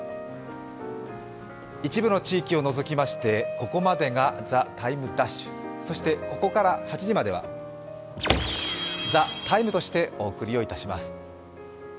一部の地域を除きまして、ここまでが「ＴＨＥＴＩＭＥ’」そして、ここから８時までは「ＴＨＥＴＩＭＥ，」としてお送りいたします。